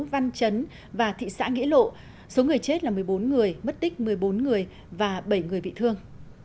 văn chấn và thị xã nghĩa lộ số người chết là một mươi bốn người mất tích một mươi bốn người và bảy người bị thương